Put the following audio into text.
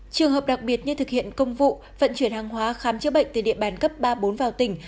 trường hợp đặc biệt như thực hiện công vụ vận chuyển hàng hóa khám chữa bệnh từ địa bàn cấp ba bốn vào tỉnh